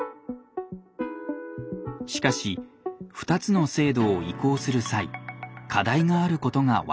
しかし２つの制度を移行する際課題があることが分かってきました。